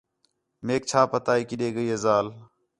میک چَھا پتا ہے کِݙے ڳئی ہِے ذال